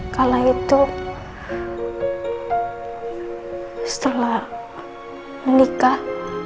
kala itu setelah menikah